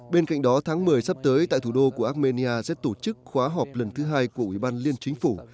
bên cạnh đó tháng một mươi sắp tới tại thủ đô của armenia sẽ tổ chức khóa họp lần thứ hai của ủy ban liên chính phủ